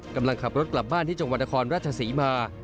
กำลังขับรถกลับบ้านที่จังหวัดนครราชศรีมา